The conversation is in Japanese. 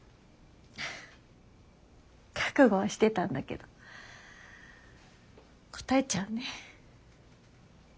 覚悟はしてたんだけどこたえちゃうね。